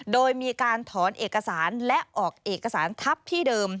โดยมีการถอนเอกสารและออกเอกสารทัพที่เดิม